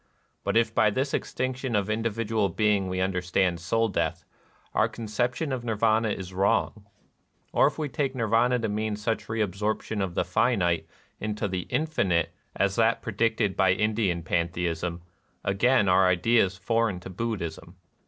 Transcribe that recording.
But if by this extinction of individual being we understand soul death, our conception of Nir 212 NIRVANA vana is wrong. Or if we take Nirvana to mean such reabsorption of the finite into the infinite as that predicted by Indian panthe ism, again our idea is foreign to Buddhism.